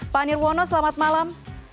pak nirwono selamat malam